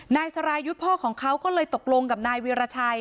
นายสรายุทธ์พ่อของเขาก็เลยตกลงกับนายวีรชัย